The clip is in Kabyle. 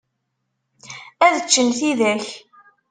Ad ččen tidak.